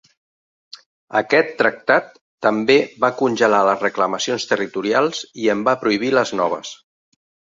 Aquest tractat també va congelar les reclamacions territorials i en va prohibir de noves.